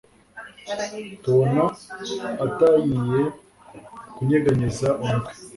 tubona atayiye kunyeganyeza umutwe